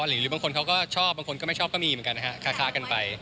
หรือบางคนเขาก็ชอบบางคนก็ไม่ชอบก็มีเหมือนกันนะฮะค้ากันไป